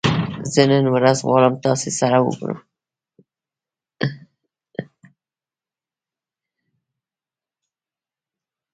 زه نن ورځ غواړم تاسې سره وګورم